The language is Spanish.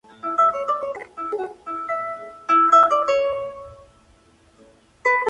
Dos de los mejores lugares situados en Pescadero son Los Cerritos y San Pedrito.